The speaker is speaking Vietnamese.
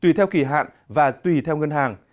tùy theo kỳ hạn và tùy theo ngân hàng